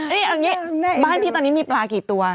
นี่เอาอย่างนี้บ้านพี่ตอนนี้มีปลากี่ตัว